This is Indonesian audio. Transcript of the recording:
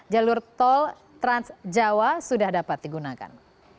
jalur tol transjawa sudah dapat digunakan